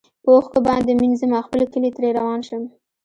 په اوښکو باندي مینځمه خپل کلی ترې روان شم